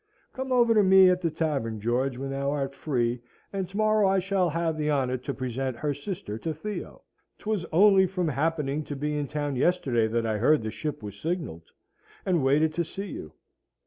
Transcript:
Come over to me at the Tavern, George, when thou art free. And to morrow I shall have the honour to present her sister to Theo. 'Twas only from happening to be in town yesterday that I heard the ship was signalled, and waited to see you.